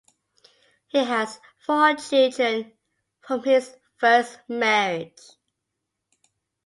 He has four children from his first marriage.